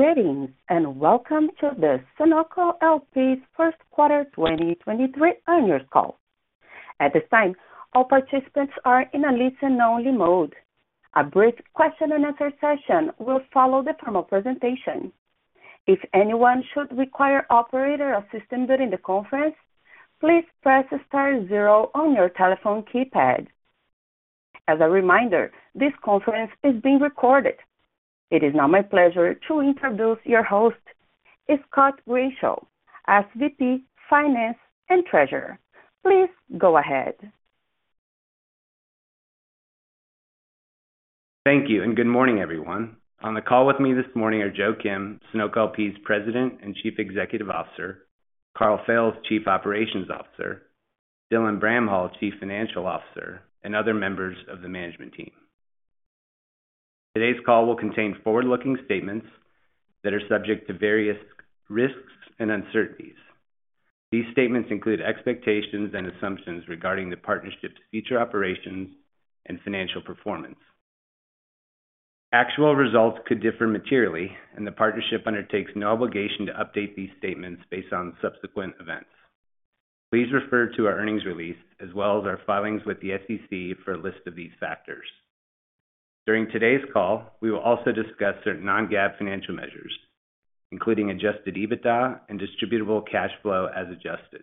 Greetings, and welcome to the Sunoco LP's Q1 2023 earnings call. At this time, all participants are in a listen-only mode. A brief question-and-answer session will follow the formal presentation. If anyone should require operator assistance during the conference, please press star zero on your telephone keypad. As a reminder, this conference is being recorded. It is now my pleasure to introduce your host, Scott Grischow, SVP, Finance and Treasurer. Please go ahead. Thank you. Good morning, everyone. On the call with me this morning are Joe Kim, Sunoco LP's President and Chief Executive Officer, Karl Fails, Chief Operations Officer, Dylan Bramhall, Chief Financial Officer, and other members of the management team. Today's call will contain forward-looking statements that are subject to various risks and uncertainties. These statements include expectations and assumptions regarding the partnership's future operations and financial performance. Actual results could differ materially. The partnership undertakes no obligation to update these statements based on subsequent events. Please refer to our earnings release as well as our filings with the SEC for a list of these factors. During today's call, we will also discuss certain non-GAAP financial measures, including adjusted EBITDA and distributable cash flow as adjusted.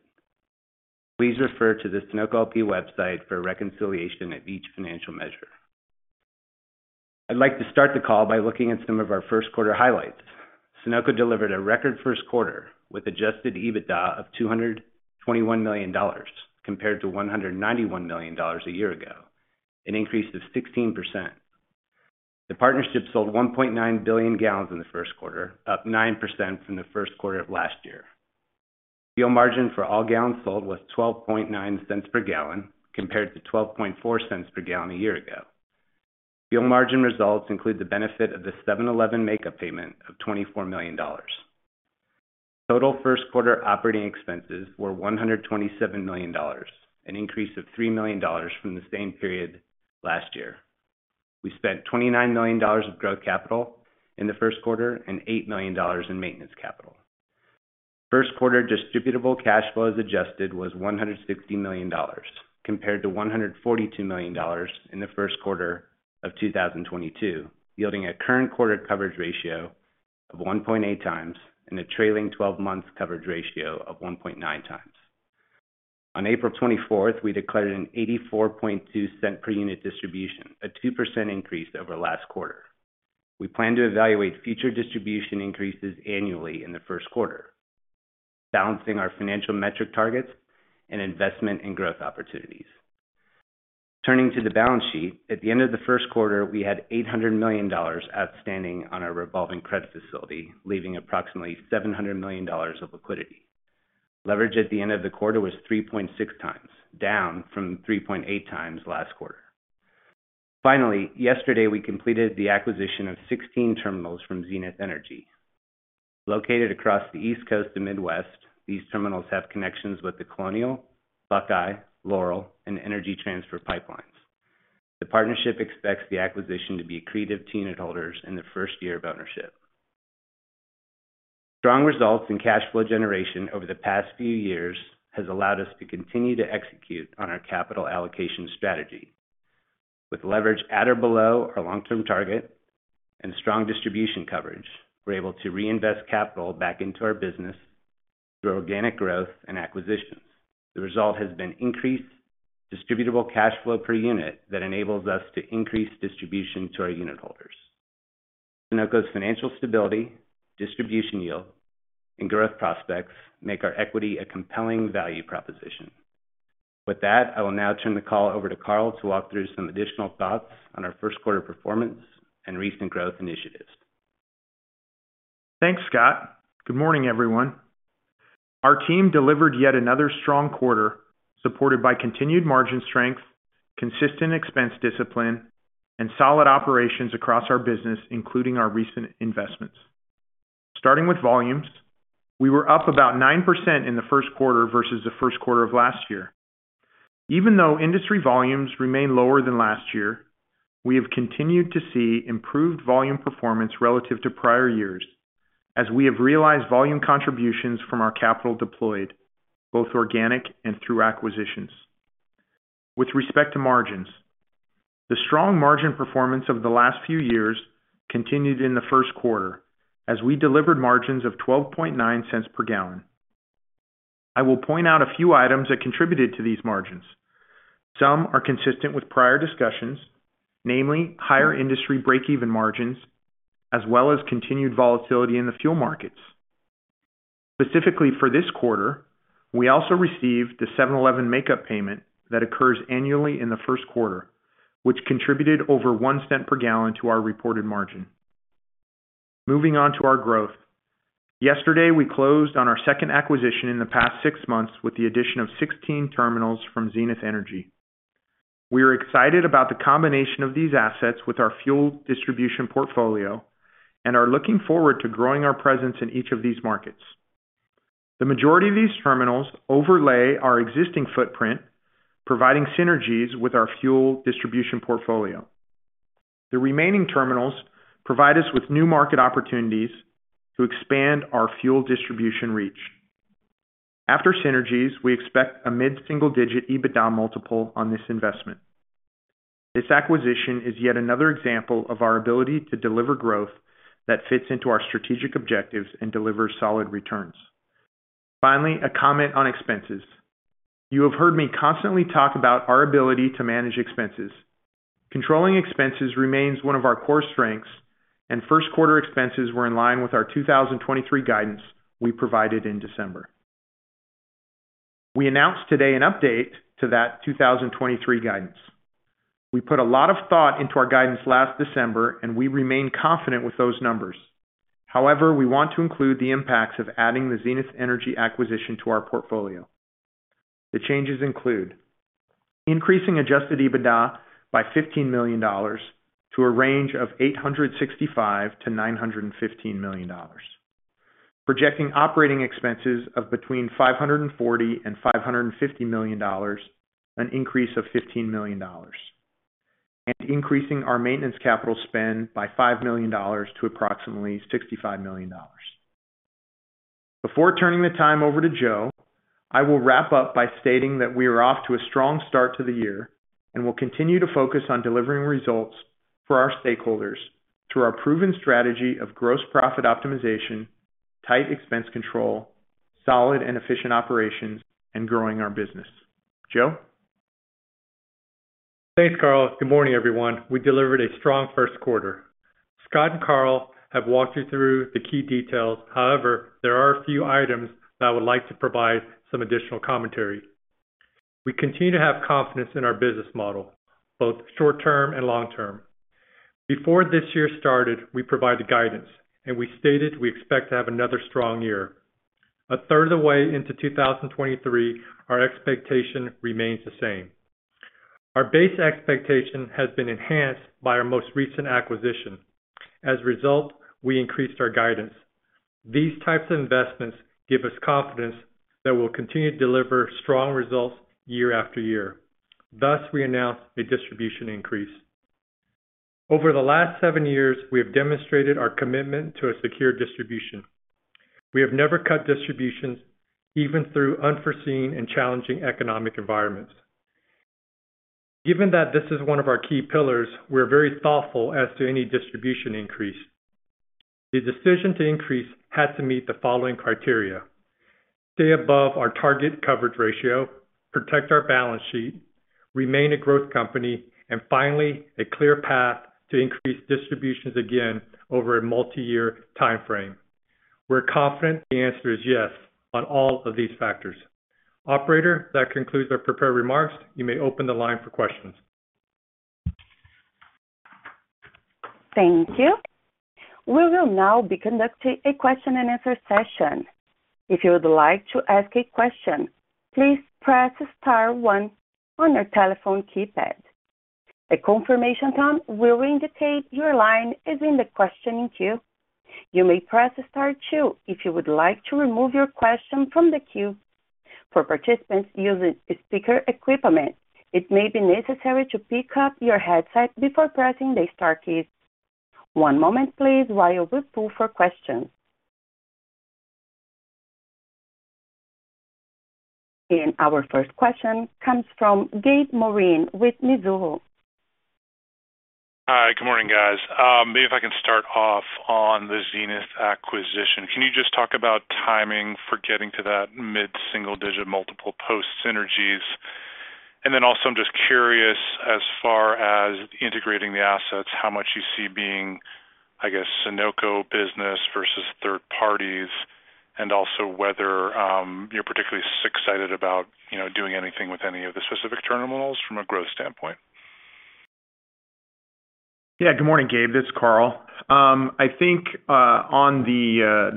Please refer to the Sunoco LP website for a reconciliation of each financial measure. I'd like to start the call by looking at some of our Q1 highlights. Sunoco delivered a record Q1 with adjusted EBITDA of $221 million, compared to $191 million a year ago, an increase of 16%. The partnership sold 1.9 billion gallons in the Q1, up 9% from the Q1 of last year. Fuel margin for all gallons sold was $0.129 per gallon, compared to $0.124 per gallon a year ago. Fuel margin results include the benefit of the 7-Eleven makeup payment of $24 million. Total Q1 operating expenses were $127 million, an increase of $3 million from the same period last year. We spent $29 million of growth capital in the Q1 and $8 million in maintenance capital. Q1 distributable cash flow, as adjusted, was $160 million, compared to $142 million in the Q1 of 2022, yielding a current quarter coverage ratio of 1.8 times and a trailing 12-month coverage ratio of 1.9 times. On April 24th, we declared an $0.842 per unit distribution, a 2% increase over last quarter. We plan to evaluate future distribution increases annually in the Q1, balancing our financial metric targets and investment in growth opportunities. Turning to the balance sheet, at the end of the Q1, we had $800 million outstanding on our revolving credit facility, leaving approximately $700 million of liquidity. Leverage at the end of the quarter was 3.6 times, down from 3.8 times last quarter. Finally, yesterday, we completed the acquisition of 16 terminals from Zenith Energy. Located across the East Coast and Midwest, these terminals have connections with the Colonial, Buckeye, Laurel, and Energy Transfer pipelines. The partnership expects the acquisition to be accretive to unitholders in the first year of ownership. Strong results in cash flow generation over the past few years has allowed us to continue to execute on our capital allocation strategy. With leverage at or below our long-term target and strong distribution coverage, we're able to reinvest capital back into our business through organic growth and acquisitions. The result has been increased distributable cash flow per unit that enables us to increase distribution to our unitholders. Sunoco's financial stability, distribution yield, and growth prospects make our equity a compelling value proposition. With that, I will now turn the call over to Karl to walk through some additional thoughts on our Q1 performance and recent growth initiatives. Thanks, Scott. Good morning, everyone. Our team delivered yet another strong quarter, supported by continued margin strength, consistent expense discipline, and solid operations across our business, including our recent investments. Starting with volumes, we were up about 9% in the Q1 versus the Q1 of last year. Even though industry volumes remain lower than last year, we have continued to see improved volume performance relative to prior years, as we have realized volume contributions from our capital deployed, both organic and through acquisitions. With respect to margins, the strong margin performance over the last few years continued in the Q1, as we delivered margins of $0.129 per gallon. I will point out a few items that contributed to these margins. Some are consistent with prior discussions, namely higher industry break-even margins, as well as continued volatility in the fuel markets. Specifically for this quarter, we also received the 7-Eleven, Inc. makeup payment that occurs annually in the Q1, which contributed over $0.01 per gallon to our reported margin. Moving on to our growth. Yesterday, we closed on our second acquisition in the past six months with the addition of 16 terminals from Zenith Energy. We are excited about the combination of these assets with our fuel distribution portfolio and are looking forward to growing our presence in each of these markets. The majority of these terminals overlay our existing footprint, providing synergies with our fuel distribution portfolio. The remaining terminals provide us with new market opportunities to expand our fuel distribution reach. After synergies, we expect a mid-single-digit EBITDA multiple on this investment. This acquisition is yet another example of our ability to deliver growth that fits into our strategic objectives and delivers solid returns. Finally, a comment on expenses. You have heard me constantly talk about our ability to manage expenses. Controlling expenses remains one of our core strengths, and Q1 expenses were in line with our 2023 guidance we provided in December. We announced today an update to that 2023 guidance. We put a lot of thought into our guidance last December, and we remain confident with those numbers. However, we want to include the impacts of adding the Zenith Energy acquisition to our portfolio. The changes include: increasing adjusted EBITDA by $15 million to a range of $865 million-$915 million, projecting operating expenses of between $540 million and $550 million, an increase of $15 million, and increasing our maintenance capital spend by $5 million to approximately $65 million. Before turning the time over to Joe, I will wrap up by stating that we are off to a strong start to the year and will continue to focus on delivering results for our stakeholders through our proven strategy of gross profit optimization, tight expense control, solid and efficient operations, and growing our business. Joe? Thanks, Karl. Good morning, everyone. We delivered a strong Q1. Scott and Karl have walked you through the key details. However, there are a few items that I would like to provide some additional commentary. We continue to have confidence in our business model, both short term and long term. Before this year started, we provided guidance, and we stated we expect to have another strong year. A third of the way into 2023, our expectation remains the same. Our base expectation has been enhanced by our most recent acquisition. As a result, we increased our guidance. These types of investments give us confidence that we'll continue to deliver strong results year-after-year. Thus, we announced a distribution increase. Over the last seven years, we have demonstrated our commitment to a secure distribution. We have never cut distributions, even through unforeseen and challenging economic environments. Given that this is one of our key pillars, we're very thoughtful as to any distribution increase. The decision to increase had to meet the following criteria: stay above our target coverage ratio, protect our balance sheet, remain a growth company, and finally, a clear path to increase distributions again over a multiyear timeframe. We're confident the answer is yes on all of these factors. Operator, that concludes our prepared remarks. You may open the line for questions. Thank you. We will now be conducting a question-and-answer session. If you would like to ask a question, please press star one on your telephone keypad. A confirmation tone will indicate your line is in the questioning queue. You may press star two if you would like to remove your question from the queue. For participants using speaker equipment, it may be necessary to pick up your headset before pressing the star keys. One moment, please, while we pull for questions. Our 1st question comes from Gabriel Moreen with Mizuho. Hi, good morning, guys. Maybe if I can start off on the Zenith acquisition. Can you just talk about timing for getting to that mid-single-digit multiple post synergies? Also, I'm just curious, as far as integrating the assets, how much you see being, I guess, Sunoco business versus third parties, and also whether, you know, you're particularly excited about doing anything with any of the specific terminals from a growth standpoint? Yeah. Good morning, Gabe. This is Karl. I think, on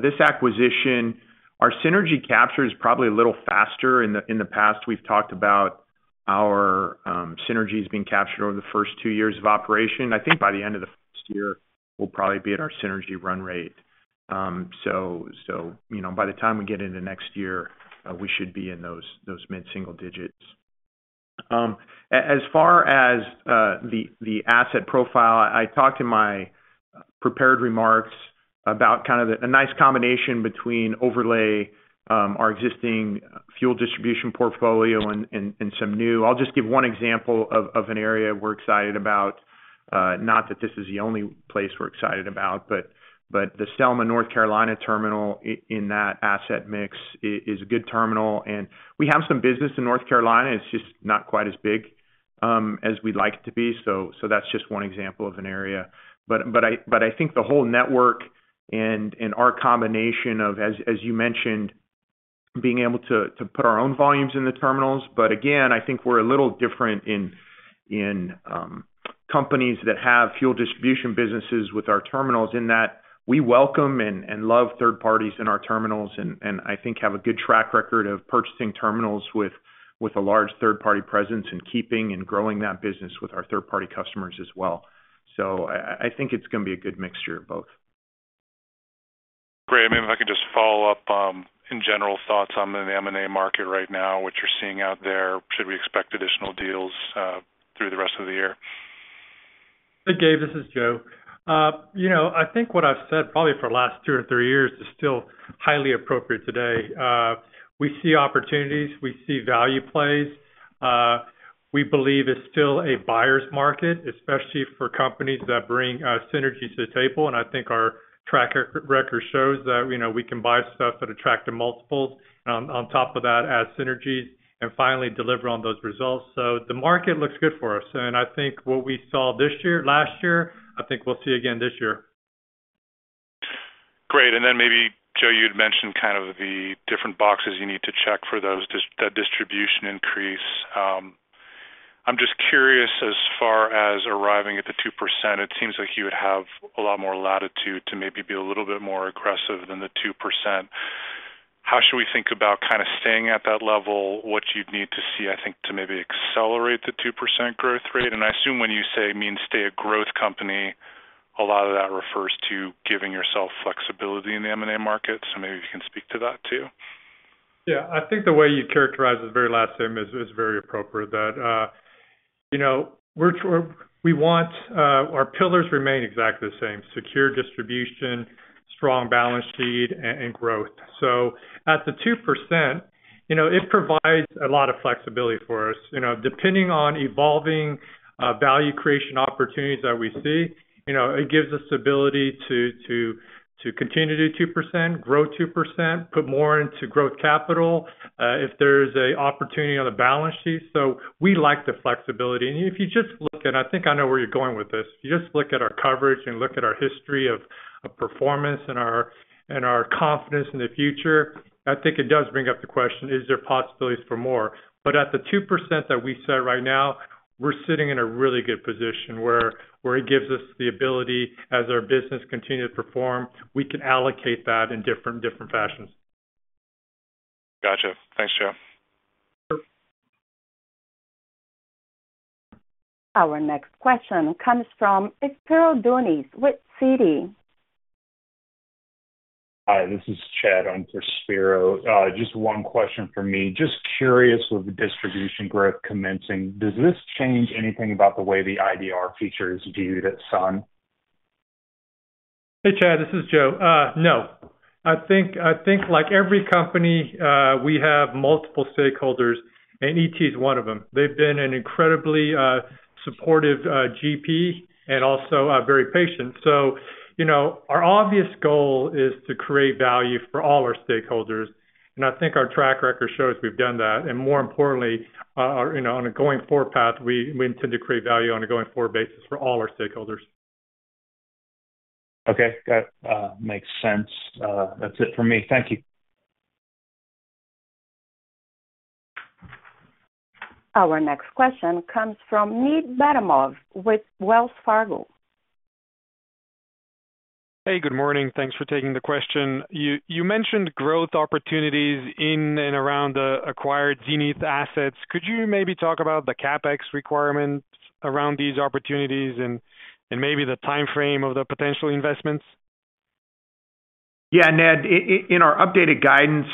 this acquisition, our synergy capture is probably a little faster. In the, in the past, we've talked about our synergies being captured over the first two years of operation. I think by the end of the first year, we'll probably be at our synergy run rate. So, you know, by the time we get into next year, we should be in those, those mid-single digits. As far as the, the asset profile, I talked in my prepared remarks about kind of a, a nice combination between overlay, our existing fuel distribution portfolio and, and, and some new. I'll just give one example of, of an area we're excited about. Not that this is the only place we're excited about, the Selma, North Carolina terminal in that asset mix is a good terminal, and we have some business in North Carolina. It's just not quite as big as we'd like it to be. That's just one example of an area. I think the whole network and our combination of, as you mentioned, being able to put our own volumes in the terminals. Again, I think we're a little different in, in companies that have fuel distribution businesses with our terminals, in that we welcome and love third parties in our terminals, and I think have a good track record of purchasing terminals with a large third-party presence, and keeping and growing that business with our third-party customers as well. I, I think it's gonna be a good mixture of both. ...Follow-up, in general thoughts on the M&A market right now, what you're seeing out there, should we expect additional deals through the rest of the year? Hey, Gabe, this is Joe. You know, I think what I've said probably for the last two or three years is still highly appropriate today. We see opportunities, we see value plays. We believe it's still a buyer's market, especially for companies that bring synergies to the table. I think our track record shows that, you know, we can buy stuff at attractive multiples on top of that, add synergies and finally deliver on those results. The market looks good for us. I think what we saw last year, I think we'll see again this year. Great. Maybe, Joe, you'd mentioned kind of the different boxes you need to check for those that distribution increase. I'm just curious, as far as arriving at the 2%, it seems like you would have a lot more latitude to maybe be a little bit more aggressive than the 2%. How should we think about kind of staying at that level? What you'd need to see, I think, to maybe accelerate the 2% growth rate? I assume when you say mean, stay a growth company, a lot of that refers to giving yourself flexibility in the M&A market. Maybe you can speak to that, too. Yeah. I think the way you characterized the very last item is, is very appropriate, that, you know, Our pillars remain exactly the same: secure distribution, strong balance sheet, and growth. At the 2%, you know, it provides a lot of flexibility for us. You know, depending on evolving, value creation opportunities that we see, you know, it gives us the ability to, to, to continue to do 2%, grow 2%, put more into growth capital, if there's a opportunity on the balance sheet. We like the flexibility. If you just look at, I think I know where you're going with this. If you just look at our coverage and look at our history of, of performance and our, and our confidence in the future, I think it does bring up the question, is there possibilities for more? At the 2% that we set right now, we're sitting in a really good position where, where it gives us the ability, as our business continue to perform, we can allocate that in different, different fashions. Gotcha. Thanks, Joe. Our next question comes from Spiro Dounis, with Citi. Hi, this is Chad, on for Spiro. Just one question for me. Just curious, with the distribution growth commencing, does this change anything about the way the IDR feature is viewed at Sunoco? Hey, Chad, this is Joe. No. I think, I think like every company, we have multiple stakeholders, and ET is one of them. They've been an incredibly, supportive, GP and also, very patient. You know, our obvious goal is to create value for all our stakeholders, and I think our track record shows we've done that. More importantly, you know, on a going-forward path, we, we intend to create value on a going-forward basis for all our stakeholders. Okay. That makes sense. That's it for me. Thank you. Our next question comes from Ned Baramov, with Wells Fargo. Hey, good morning. Thanks for taking the question. You, you mentioned growth opportunities in and around the acquired Zenith assets. Could you maybe talk about the CapEx requirements around these opportunities and, and maybe the timeframe of the potential investments? Yeah, Ned, in our updated guidance,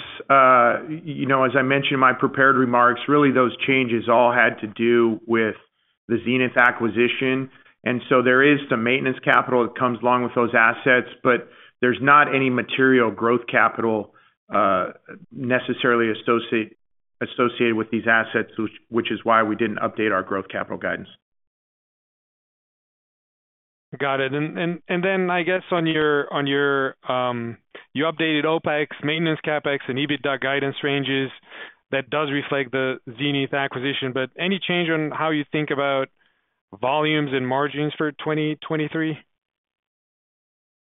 you know, as I mentioned in my prepared remarks, really, those changes all had to do with the Zenith acquisition. So there is some maintenance capital that comes along with those assets, but there's not any material growth capital necessarily associated with these assets, which, which is why we didn't update our growth capital guidance. Got it. I guess on your, on your, you updated OpEx, maintenance CapEx and EBITDA guidance ranges, that does reflect the Zenith acquisition. Any change on how you think about volumes and margins for 2023?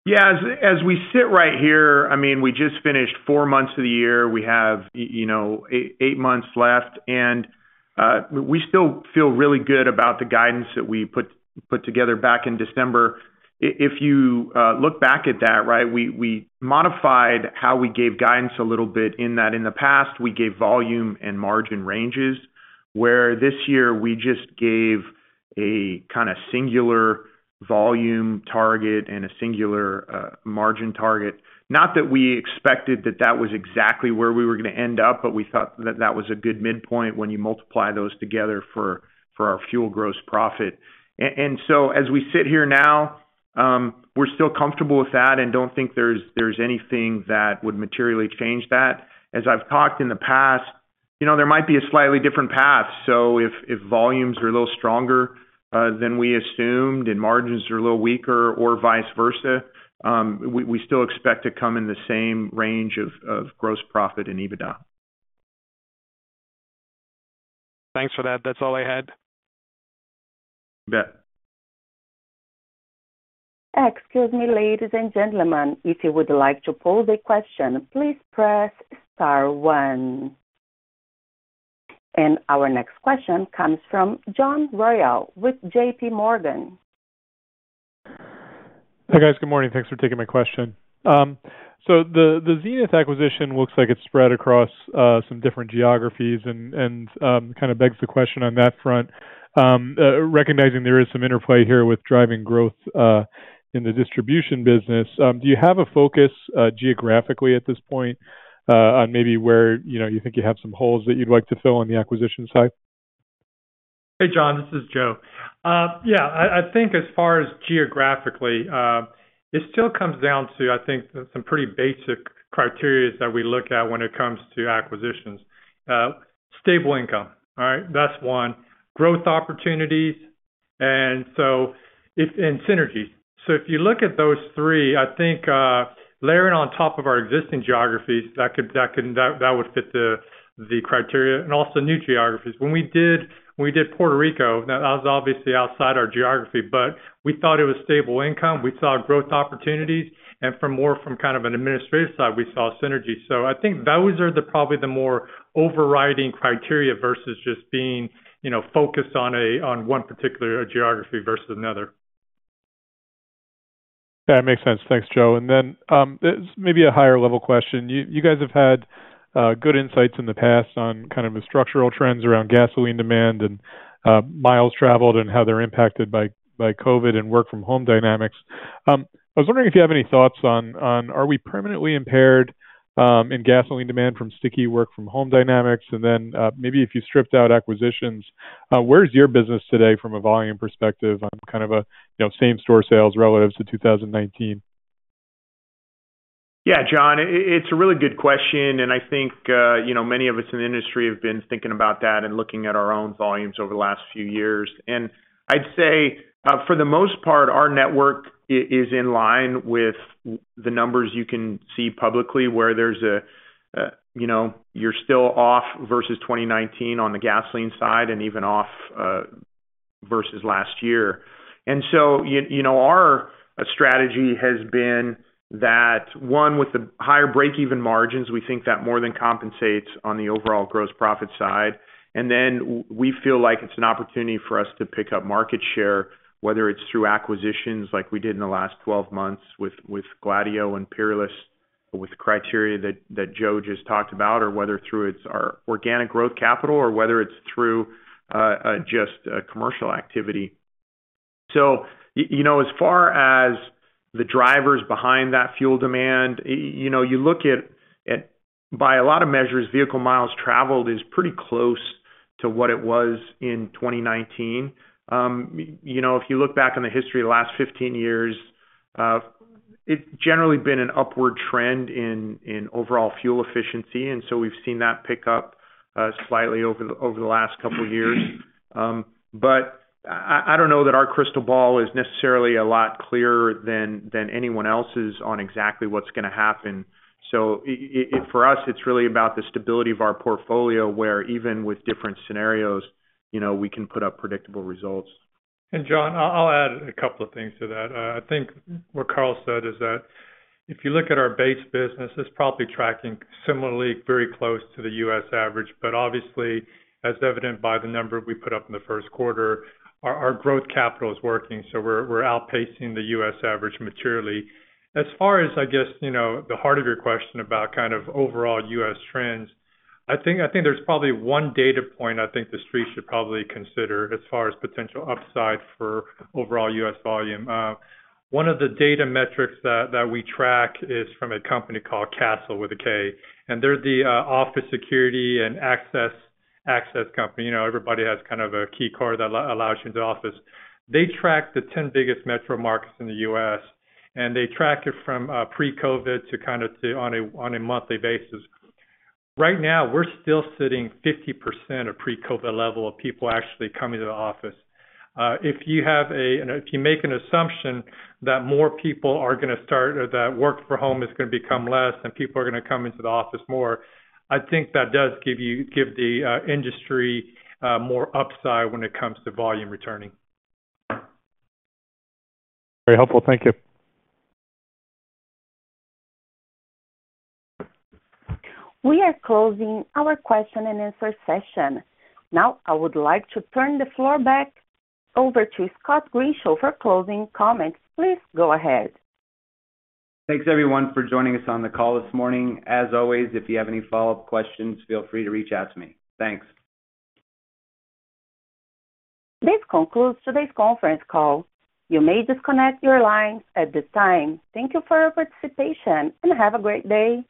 Yeah, as, as we sit right here, I mean, we just finished four months of the year. We have, you know, eight months left, and we still feel really good about the guidance that we put together back in December. If you look back at that, right, we, we modified how we gave guidance a little bit, in that, in the past, we gave volume and margin ranges, where this year we just gave a kind of singular volume target and a singular margin target. Not that we expected that that was exactly where we were going to end up, but we thought that that was a good midpoint when you multiply those together for, for our fuel gross profit. As we sit here now, we're still comfortable with that and don't think there's, there's anything that would materially change that. As I've talked in the past, you know, there might be a slightly different path, so if, if volumes are a little stronger than we assumed and margins are a little weaker or vice versa, we, we still expect to come in the same range of, of gross profit and EBITDA. Thanks for that. That's all I had. You bet. Excuse me, ladies and gentlemen, if you would like to pose a question, please press star one. Our next question comes from John Royall, with JPMorgan. Hey, guys. Good morning. Thanks for taking my question. The, the Zenith acquisition looks like it's spread across some different geographies and, and kind of begs the question on that front.... recognizing there is some interplay here with driving growth, in the distribution business, do you have a focus geographically at this point, on maybe where, you know, you think you have some holes that you'd like to fill on the acquisition side? Hey, John, this is Joe. Yeah, I, I think as far as geographically, it still comes down to, I think, some pretty basic criterias that we look at when it comes to acquisitions. Stable income, all right? That's one. Growth opportunities, and synergies. If you look at those three, I think, layering on top of our existing geographies, that would fit the criteria and also new geographies. When we did, when we did Puerto Rico, now that was obviously outside our geography, but we thought it was stable income, we saw growth opportunities, and from more from kind of an administrative side, we saw synergies. I think those are the probably the more overriding criteria versus just being, you know, focused on one particular geography versus another. That makes sense. Thanks, Joe. This may be a higher level question. You, you guys have had good insights in the past on kind of the structural trends around gasoline demand and miles traveled, and how they're impacted by, by COVID and work from home dynamics. I was wondering if you have any thoughts on, on, are we permanently impaired in gasoline demand from sticky work from home dynamics? Maybe if you stripped out acquisitions, where's your business today from a volume perspective on kind of a, you know, same-store sales relative to 2019? Yeah, John, it's a really good question, I think, you know, many of us in the industry have been thinking about that and looking at our own volumes over the last few years. I'd say, for the most part, our network is in line with the numbers you can see publicly, where there's a, you know, you're still off versus 2019 on the gasoline side and even off versus last year. You know, our strategy has been that, one, with the higher break-even margins, we think that more than compensates on the overall gross profit side. We feel like it's an opportunity for us to pick up market share, whether it's through acquisitions like we did in the last 12 months with, with Gladieux and Peerless, with criteria that, that Joe just talked about, or whether through it's our organic growth capital or whether it's through just commercial activity. You know, as far as the drivers behind that fuel demand, you know, you look at. By a lot of measures, vehicle miles traveled is pretty close to what it was in 2019. You know, if you look back on the history of the last 15 years, it's generally been an upward trend in, in overall fuel efficiency, and so we've seen that pick up slightly over the last couple of years. I, I don't know that our crystal ball is necessarily a lot clearer than, than anyone else's on exactly what's gonna happen. For us, it's really about the stability of our portfolio, where even with different scenarios, you know, we can put up predictable results. John, I'll, I'll add a couple of things to that. I think what Karl said is that, if you look at our base business, it's probably tracking similarly very close to the U.S. average. Obviously, as evidenced by the number we put up in the Q1, our, our growth capital is working, so we're, we're outpacing the U.S. average materially. As far as, I guess, you know, the heart of your question about kind of overall U.S. trends, I think, I think there's probably one data point I think the Street should probably consider as far as potential upside for overall U.S. volume. One of the data metrics that, that we track is from a company called Kastle, with a K, and they're the office security and access, access company. You know, everybody has kind of a key card that allows you into the office. They track the 10 biggest metro markets in the U.S., and they track it from pre-COVID on a monthly basis. Right now, we're still sitting 50% of pre-COVID level of people actually coming to the office. If you make an assumption that more people are gonna start or that work from home is gonna become less and people are gonna come into the office more, I think that does give the industry more upside when it comes to volume returning. Very helpful. Thank you. We are closing our question-and-answer session. I would like to turn the floor back over to Scott Grischow for closing comments. Please go ahead. Thanks everyone for joining us on the call this morning. As always, if you have any follow-up questions, feel free to reach out to me. Thanks. This concludes today's conference call. You may disconnect your lines at this time. Thank you for your participation, and have a great day.